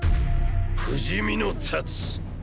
不死身の龍！」。